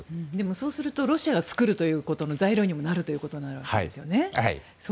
そうするとロシアが作ることの材料にもなるということになるわけですよね。